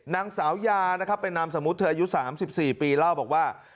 นางสาวยานะครับเป็นนามสมมุติเธออายุ๓๔ปีเล่าบอกว่า